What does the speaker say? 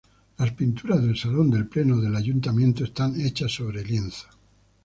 Las pinturas del salón de Pleno del Ayuntamiento están hechas sobre lienzo.